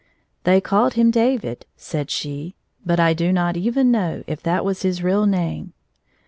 " They called him David," said she, "but I do not even know if that was his real name."